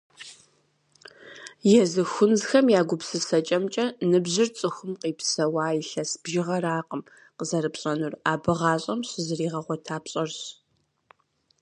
Езы хунзхэм я гупсысэкӏэмкӏэ, ныбжьыр цӏыхум къипсэуа илъэс бжыгъэракъым къызэрыпщӏэнур, абы гъащӏэм щызригъэгъуэта пщӏэрщ.